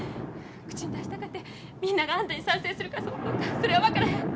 口に出したかてみんながあんたに賛成するかどうかそれは分からへん。